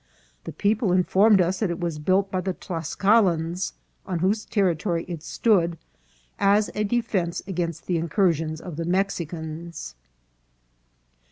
The people informed us that it was built by the Tlasca lans, on whose territory it stood, as a defence against the incursions of the Mexicans."